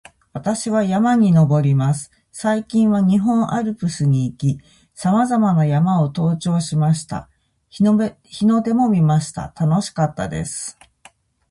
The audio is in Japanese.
私は山に登ります。最近は日本アルプスに行き、さまざまな山を登頂しました。日の出も見ました。楽しかったです